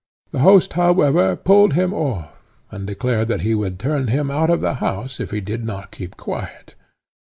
The host, however, pulled him off, and declared that he would turn him out of the house, if he did not keep quiet.